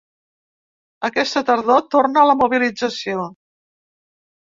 Aquesta tardor torna la mobilització!